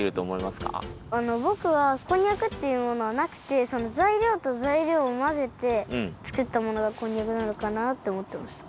ぼくはこんにゃくっていうものはなくてざいりょうとざいりょうをまぜてつくったものがこんにゃくなのかなっておもってました。